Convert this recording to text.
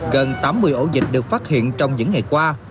gần tám mươi ổ dịch được phát hiện trong những ngày qua